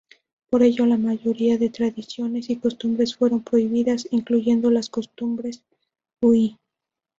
Por ello la mayoría de tradiciones y costumbres fueron prohibidas, incluyendo las costumbres Hui.